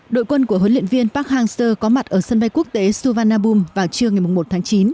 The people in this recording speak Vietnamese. đội quân của huấn luyện viên park hang seo có mặt ở sân bay quốc tế suvarnabhum vào trưa ngày một tháng chín